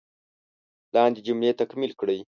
لاندې جملې تکمیل کړئ.